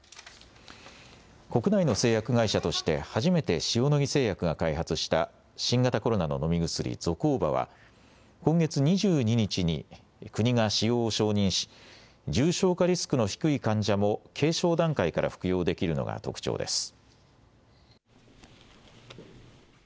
国内の製薬会社として初めて塩野義製薬が開発した新型コロナの飲み薬、ゾコーバは今月２２日に国が使用を承認し重症化リスクの低い患者も軽症段階から服用できるのが特長です。